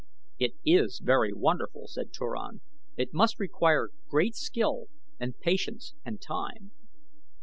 "It is very wonderful," said Turan. "It must require great skill and patience and time."